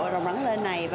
rộng rắn lên này